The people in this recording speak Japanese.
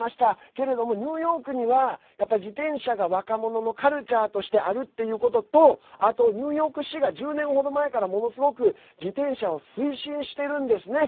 けれども、ニューヨークには自転車が若者のカルチャーとしてあるっていうこととあと、ニューヨーク市が１０年程前から、ものすごく自転車を推進してるんですね。